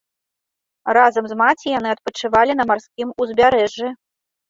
Разам з маці яны адпачывалі на марскім узбярэжжы.